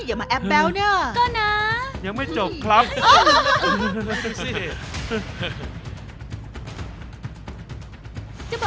เฮ้ยอย่ามาแอบแบ๊วเนี่ยอ่ะยังไม่จบครับฮึฮึฮึฮึฮึฮึฮึ